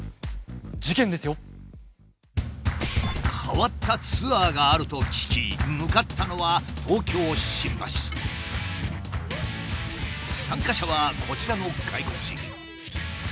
変わったツアーがあると聞き向かったのは参加者はこちらの外国人。